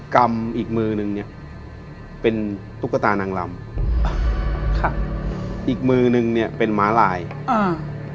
กรรมอีกมือหนึ่งเนี้ยเป็นตุ๊กตานางลำค่ะอีกมือหนึ่งเนี้ยเป็นม้าลายอ่า